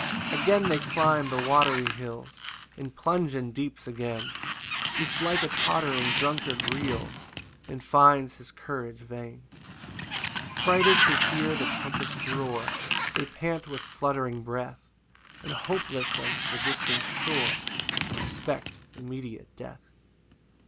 3 [Again they climb the watery hills, And plunge in deeps again; Each like a tottering drunkard reels, And finds his courage vain. 4 Frighted to hear the tempest roar, They pant with fluttering breath, And, hopeless of the distant shore, Expect immediate death.